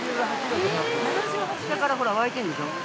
下からほら湧いてるでしょ